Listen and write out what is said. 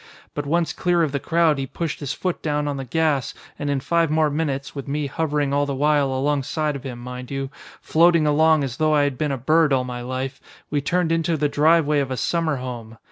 But once clear of the crowd he pushed his foot down on the gas and in five more minutes with me hovering all the while alongside of him, mind you floating along as though I had been a bird all my life we turned into the driveway of a summer home.